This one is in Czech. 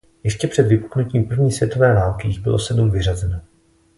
Ještě před vypuknutím první světové války jich bylo sedm vyřazeno.